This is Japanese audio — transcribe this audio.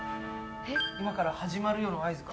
今から始まるよの合図か。